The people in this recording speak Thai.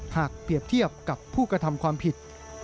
หากเปรียบเทียบกับผู้กระทำความผิด